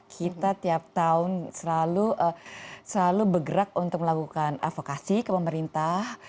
kita tiap tahun selalu bergerak untuk melakukan advokasi ke pemerintah